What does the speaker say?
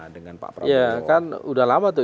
dengan pak prabowo kan udah lama tuh